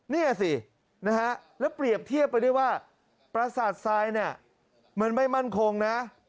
นี่สินะฮะแล้วเปรียบเทียบไปด้วยว่าประสาททรายเนี่ยมันไม่มั่นคงนะ